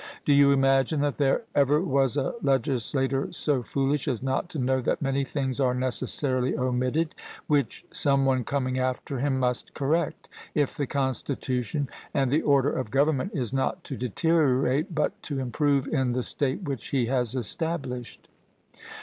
Do you imagine that there ever was a legislator so foolish as not to know that many things are necessarily omitted, which some one coming after him must correct, if the constitution and the order of government is not to deteriorate, but to improve in the state which he has established?